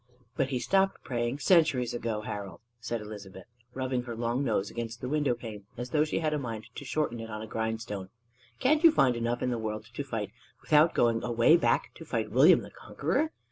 "But he stopped praying centuries ago, Harold," said Elizabeth, rubbing her long nose against the window pane as though she had a mind to shorten it on a grindstone. "Can't you find enough in the world to fight without going away back to fight William the Conqueror?